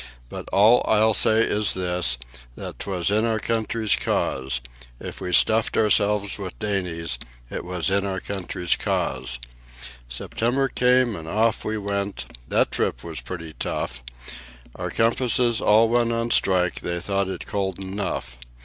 But all I'll say is this that 'twas in our country's cause, If we stuffed ourselves with dainties, it was in our country's cause. September came and off we went that trip was pretty tough; Our compasses all went on strike, they thought it cold enough.